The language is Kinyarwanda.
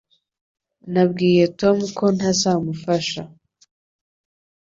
Nabwiye Tom ko ntazamufasha